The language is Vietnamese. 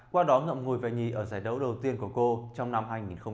qua đó ngậm ngùi về nhì ở giải đấu đầu tiên của cô trong năm hai nghìn một mươi bảy